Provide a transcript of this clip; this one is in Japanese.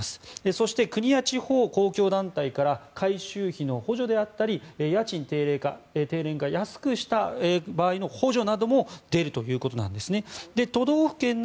そして国や地方公共団体だから改修費の補助であったり家賃低廉化安くした場合の補助なども出るということなんです。